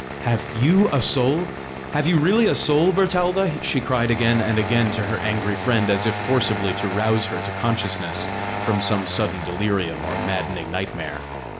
"Have you a soul? Have you really a soul, Bertalda?" she cried again and again to her angry friend, as if forcibly to rouse her to consciousness from some sudden delirium or maddening nightmare.